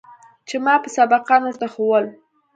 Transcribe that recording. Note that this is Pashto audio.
چې ما به سبقان ورته ښوول.